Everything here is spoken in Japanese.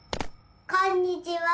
こんにちは。